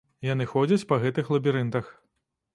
Яны ходзяць па гэтых лабірынтах.